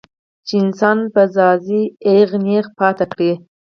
چې انسان پۀ ځائے اېغ نېغ پاتې کړي